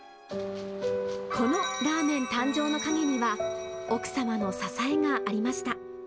このラーメン誕生の陰には、奥様の支えがありました。